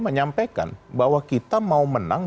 menyampaikan bahwa kita mau menang